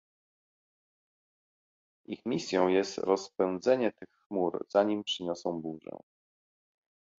Ich misją jest rozpędzenie tych chmur, zanim przyniosą burzę